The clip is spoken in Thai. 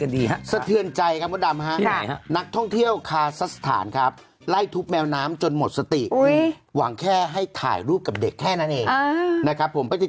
สะเทือนใจครับมดดำฮะนักท่องเที่ยวคาซักสถานครับไล่ทุบแมวน้ำจนหมดสติหวังแค่ให้ถ่ายรูปกับเด็กแค่นั้นเองนะครับผมไปติด